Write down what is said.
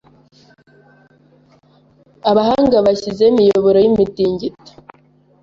abahanga bashyizeho imiyoboro y’imitingito